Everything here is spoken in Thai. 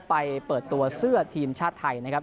เปิดตัวเสื้อทีมชาติไทยนะครับ